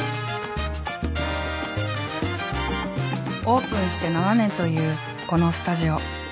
オープンして７年というこのスタジオ。